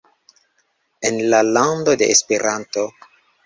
en la lando de Esperanto